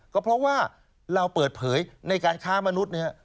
ก็เพราะว่าเราเปิดเผยในการค้ามนุษย์นะครับ